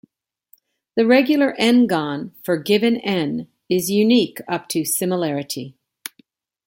The regular "n"-gon, for given "n", is unique up to similarity.